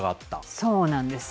そうなんです。